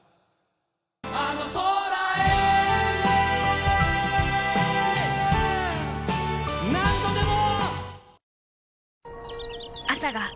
あの空へ何度でも！